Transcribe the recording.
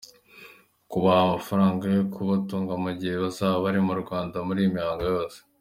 -Kubaha amafaranga yo kubatunga mu gihe bazaba bari mu Rwanda muri iyi mihango yose